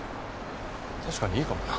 確かにいいかもな。